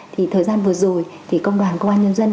thì thời gian vừa rồi thì công đoàn công an nhân dân